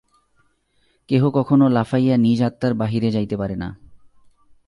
কেহ কখনও লাফাইয়া নিজ আত্মার বাহিরে যাইতে পারে না।